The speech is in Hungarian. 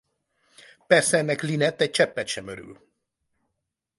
Persze ennek Lynette egy cseppet sem örül.